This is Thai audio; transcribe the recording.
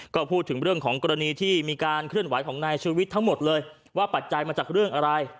ก็พูดถึงเรื่องของกรณีที่มีการเคลื่อนไหวของนายชูวิทย์ทั้งหมดเลยว่าปัจจัยมาจากเรื่องอะไร